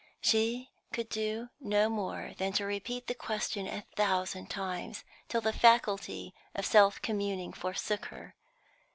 she could do no more than repeat the question a thousand times, till the faculty of self communing forsook her.